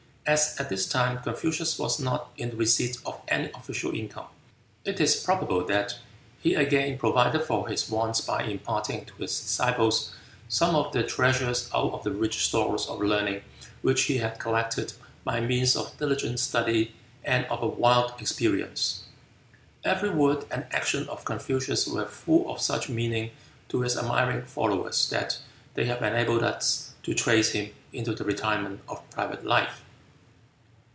As at this time Confucius was not in the receipt of any official income, it is probable that he again provided for his wants by imparting to his disciples some of the treasures out of the rich stores of learning which he had collected by means of diligent study and of a wide experience. Every word and action of Confucius were full of such meaning to his admiring followers that they have enabled us to trace him into the retirement of private life.